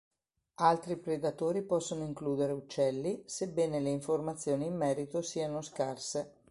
Altri predatori possono includere uccelli, sebbene le informazioni in merito siano scarse.